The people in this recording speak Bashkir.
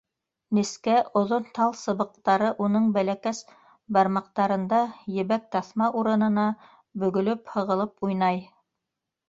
Нескә, оҙон тал сыбыҡтары уның бәләкәс бармаҡтарында, ебәк таҫма урынына, бөгөлөп-һығылып уйнай.